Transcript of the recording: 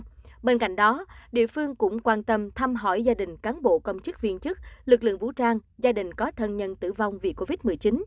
bên cạnh đó địa phương cũng quan tâm thăm hỏi gia đình cán bộ công chức viên chức lực lượng vũ trang gia đình có thân nhân tử vong vì covid một mươi chín